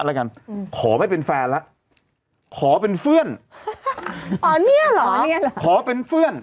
แล้วกันอืมขอไม่เป็นแฟนละขอเป็นเพื่อนอ๋อเนี่ยเหรอขอเป็นเพื่อน